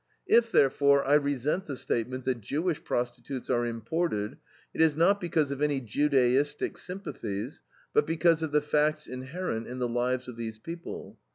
If, therefore, I resent the statement that Jewish prostitutes are imported, it is not because of any Judaistic sympathies, but because of the facts inherent in the lives of these people.